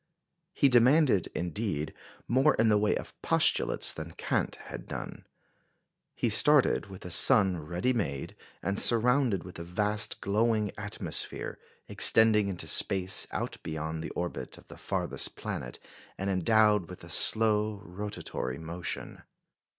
He demanded, indeed, more in the way of postulates than Kant had done. He started with a sun ready made, and surrounded with a vast glowing atmosphere, extending into space out beyond the orbit of the farthest planet, and endowed with a slow rotatory motion.